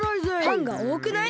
「パン」がおおくない？